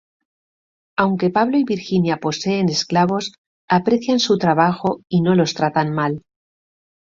Aunque Pablo y Virginia poseen esclavos, aprecian su trabajo y no los tratan mal.